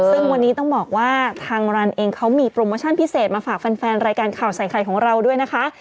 ซึ่งวันนี้ต้องบอกว่าทางร้านเองมีโปรโมชั่นมาฝากแฟนรายการข่าวสัยไขด้วยนะคะ